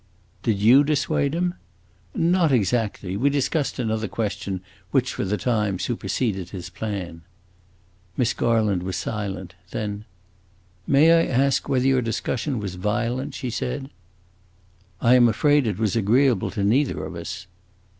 "Did you dissuade him?" "Not exactly. We discussed another question, which, for the time, superseded his plan." Miss Garland was silent. Then "May I ask whether your discussion was violent?" she said. "I am afraid it was agreeable to neither of us."